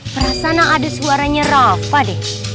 perasaan ada suaranya rafa deh